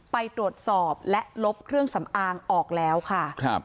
ไปตรวจสอบและลบเครื่องสำอางออกแล้วค่ะ